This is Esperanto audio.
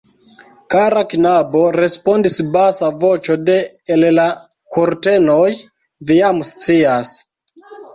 Kara knabo, respondis basa voĉo de el la kurtenoj, vi jam scias.